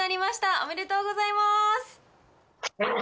おめでとうございます。